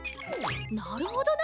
なるほどな！